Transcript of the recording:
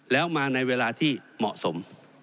แล้วมาในเวลาที่เหมาะสม